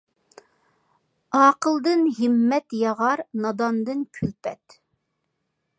ئاقىلدىن ھىممەت ياغار، ناداندىن كۈلپەت.